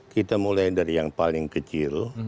kita mulai dari yang paling kecil